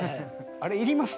あれいります？